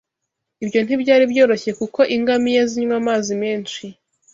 Ibyo ntibyari byoroshye kuko ingamiya zinywa amazi menshi